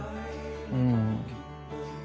うん。